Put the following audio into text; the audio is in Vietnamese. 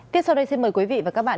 tiếp sau đây xin mời quý vị và các bạn